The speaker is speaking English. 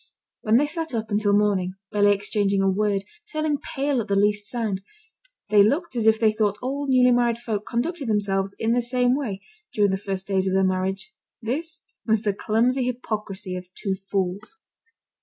When they sat up until morning, barely exchanging a word, turning pale at the least sound, they looked as if they thought all newly married folk conducted themselves in the same way, during the first days of their marriage. This was the clumsy hypocrisy of two fools.